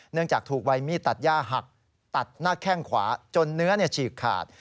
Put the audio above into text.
จากถูกใบมีดตัดย่าหักตัดหน้าแข้งขวาจนเนื้อฉีกขาด